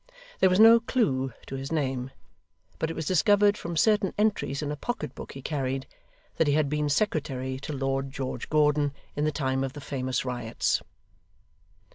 There was no clue to his name; but it was discovered from certain entries in a pocket book he carried, that he had been secretary to Lord George Gordon in the time of the famous riots.